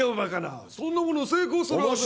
そんなもの成功するはず。